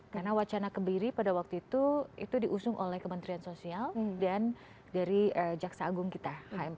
karena wacana kebiri pada waktu itu diusung oleh kementerian sosial dan dari jaksa agung kita